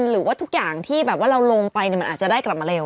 หรือว่าทุกอย่างที่แบบว่าเราลงไปมันอาจจะได้กลับมาเร็ว